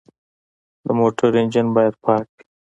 د موټر انجن باید پاک وي.